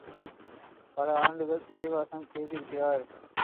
பல ஆண்டுகள் சிறைவாசம் செய்திருக்கிறார்.